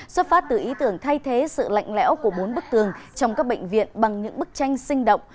xuất phát từ ý tưởng thay thế sự lạnh lẽo của bốn bức tường trong các bệnh viện bằng những bức tranh sinh động